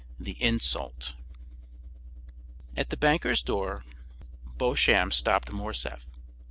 The Insult At the banker's door Beauchamp stopped Morcerf.